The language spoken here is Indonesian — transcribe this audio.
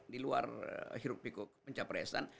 di luar hirup pikuk pencapresan